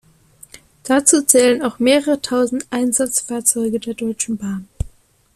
Dazu zählen auch mehrere tausend Einsatzfahrzeuge der Deutschen Bahn.